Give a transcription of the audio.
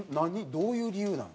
どういう理由なの？